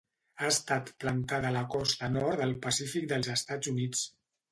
Ha estat plantada a la costa nord del Pacífic dels Estats Units.